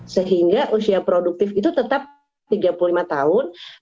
sehingga usia produktif itu tetap tiga puluh lima tahun